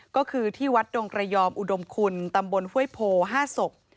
ก็คือที่วัดดงกระยอมอุดมคุณตำบลห้วยโพ๕ศพ